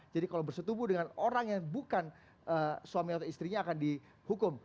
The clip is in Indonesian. jadi kalau bersetubuh dengan orang yang bukan suami atau istrinya akan dihukum